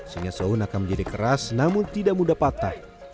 sehingga soun akan menjadi keras namun tidak mudah patah